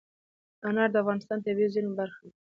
انار د افغانستان د طبیعي زیرمو برخه ده.